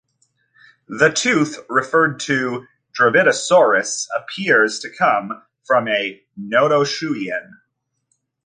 The tooth referred to "Dravidosaurus" appears to come from a notosuchian.